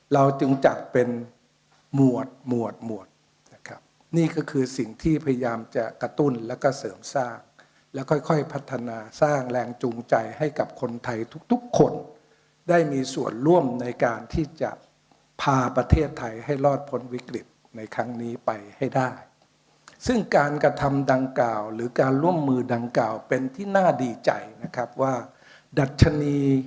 เราจึงจัดเป็นหมวดหมวดหมวดนะครับนี่ก็คือสิ่งที่พยายามจะกระตุ้นแล้วก็เสริมสร้างแล้วค่อยค่อยพัฒนาสร้างแรงจูงใจให้กับคนไทยทุกทุกคนได้มีส่วนร่วมในการที่จะพาประเทศไทยให้รอดพ้นวิกฤตในครั้งนี้ไปให้ได้ซึ่งการกระทำดังกล่าวหรือการร่วมมือดังกล่าวเป็นที่น่าดีใจนะครับว่าดัชนี